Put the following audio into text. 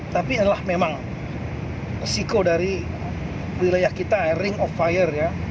tapi adalah memang resiko dari wilayah kita ring of fire ya